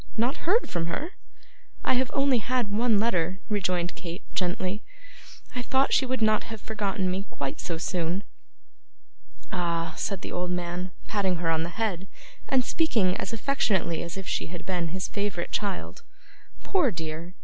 Not heard from her?' 'I have only had one letter,' rejoined Kate, gently. 'I thought she would not have forgotten me quite so soon.' 'Ah,' said the old man, patting her on the head, and speaking as affectionately as if she had been his favourite child. 'Poor dear!